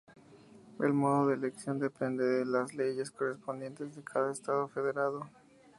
El modo de elección depende de las leyes correspondientes de cada Estado federado.